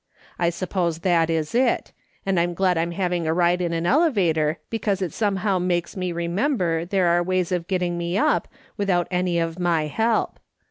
I suppose that is it, and I'm glad I'm having a ride on an elevator, because it somehow makes me remember there are ways of getting me up without any of my help.